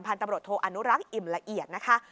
ตำรวจโทอนุรักษ์อิ่มละเอียดนะคะ